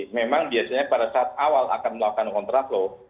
memang biasanya pada saat awal akan melakukan kontraflow